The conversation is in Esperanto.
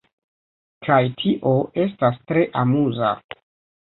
kaj tio estas tre amuza